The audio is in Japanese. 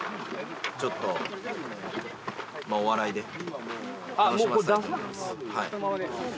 ちょっとお笑いで楽しませたいと思います。